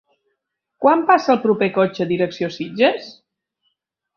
Quan passa el proper cotxe direcció Sitges?